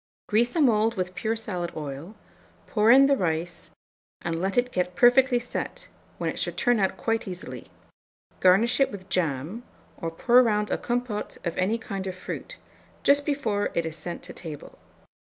Grease a mould with pure salad oil; pour in the rice, and let it get perfectly set, when it should turn out quite easily; garnish it with jam, or pour round a compôte of any kind of fruit, just before it is sent to table.